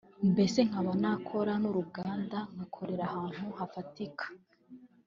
mbese nkaba nakora n’uruganda nkakorera ahantu hafatika